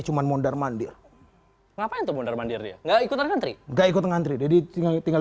cuma mondar mandir ngapain tuh mondar mandir dia nggak ikutan ngantri nggak ikut ngantri jadi tinggal